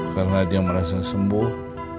karena dia merasa sembuh